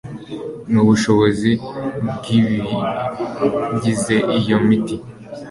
n’ubushobozi bw’ibigize iyo miti.